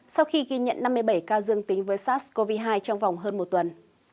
sau khi ghi nhận năm mươi bảy ca dương tính với sars cov hai trong vòng hơn một tuần